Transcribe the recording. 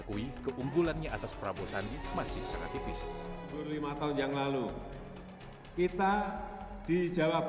karena kalau kita lihat kalau kita lihat hasil survei yang sekarang itu sudah menang